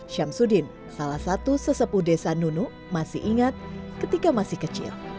syamsuddin salah satu sesepu desa nunuk masih ingat ketika masih kecil